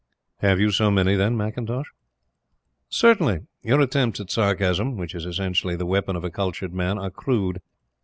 "Have you so many, then, McIntosh?" "Certainly; your attempts at sarcasm which is essentially the weapon of a cultured man, are crude.